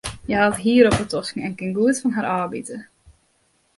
Hja hat hier op de tosken en kin goed fan har ôfbite.